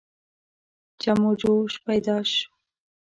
جم و جوش پیدا شو.